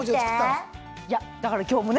だから今日もね